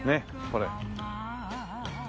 これ。